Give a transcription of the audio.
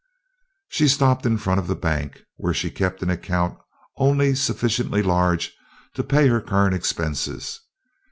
She stopped in front of the bank, where she kept an account only sufficiently large to pay her current expenses.